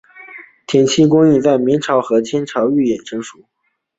填漆工艺在明朝和清朝越趋成熟。